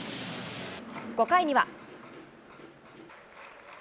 ５回には。